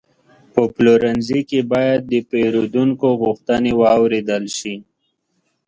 په پلورنځي کې باید د پیرودونکو غوښتنې واورېدل شي.